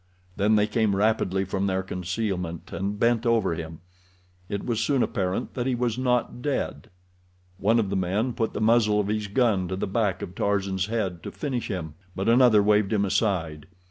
Then they came rapidly from their concealment, and bent over him. It was soon apparent that he was not dead. One of the men put the muzzle of his gun to the back of Tarzan's head to finish him, but another waved him aside.